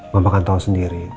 mama kan tahu sendiri